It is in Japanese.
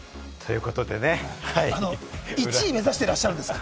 １位を目指していらっしゃるんですか？